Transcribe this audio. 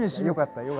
よかった。